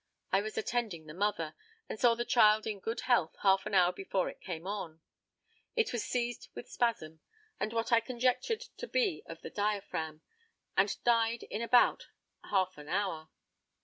I was attending the mother, and saw the child in good health half an hour before it came on. It was seized with spasm, what I conjectured to be of the diaphragm, and died in about half an hour.